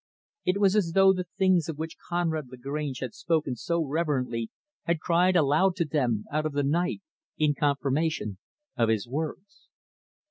It was as though the things of which Conrad Lagrange had just spoken so reverently had cried aloud to them, out of the night, in confirmation of his words.